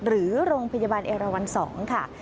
หรือโรงพยาบาลเอราวัน๒ค่ะ